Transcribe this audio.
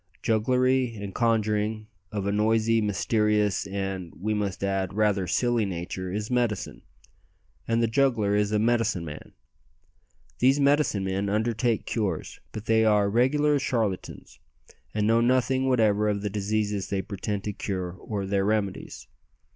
Jugglery and conjuring, of a noisy, mysterious, and, we must add, rather silly nature, is "medicine," and the juggler is a "medicine man." These medicine men undertake cures; but they are regular charlatans, and know nothing whatever of the diseases they pretend to cure or their remedies.